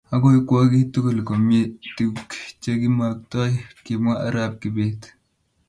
Akoi kwo kiy tukul komye tukchekimaktoi. Kimwa Arap Kibet